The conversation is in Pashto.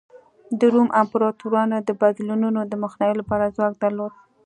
د روم امپراتورانو د بدلونونو د مخنیوي لپاره ځواک درلود.